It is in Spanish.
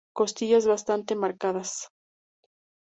Costillas bastante marcadas.